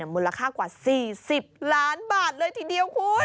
มูลค่ากว่า๔๐ล้านบาทเลยทีเดียวคุณ